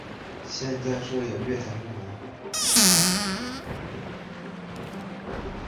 现在设有月台幕门。